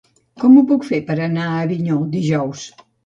Com ho puc fer per anar a Avinyó dijous?